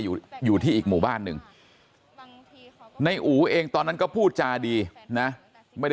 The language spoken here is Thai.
อยู่ที่อีกหมู่บ้านหนึ่งในอู๋เองตอนนั้นก็พูดจาดีนะไม่ได้